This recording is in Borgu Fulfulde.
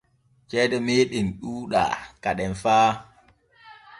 Ceede meeɗen ɗuuɗaa kaden fa.